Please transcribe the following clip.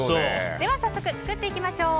早速作っていきましょう。